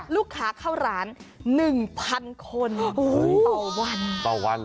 ลูกค้าเข้าร้าน๑๐๐๐คนต่อวันต่อวัน